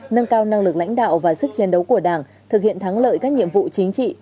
nâng cao năng lực lãnh đạo và sức chiến đấu của đảng thực hiện thắng lợi các nhiệm vụ chính trị